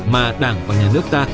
mà đảng và nhà nước ta